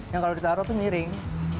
yang kalau ditaruh itu miring